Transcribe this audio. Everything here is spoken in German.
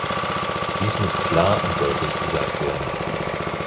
Dies muss klar und deutlich gesagt werden.